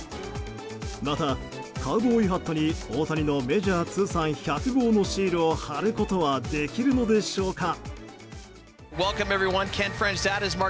また、カウボーイハットに大谷のメジャー通算１００号のシールを貼ることはできるのでしょうか。